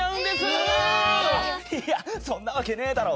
いやそんなわけねえだろ！